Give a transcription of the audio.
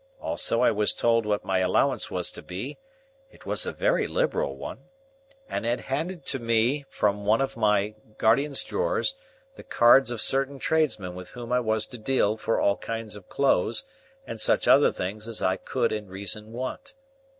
Also, I was told what my allowance was to be,—it was a very liberal one,—and had handed to me from one of my guardian's drawers, the cards of certain tradesmen with whom I was to deal for all kinds of clothes, and such other things as I could in reason want.